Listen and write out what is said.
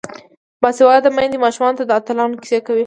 باسواده میندې ماشومانو ته د اتلانو کیسې کوي.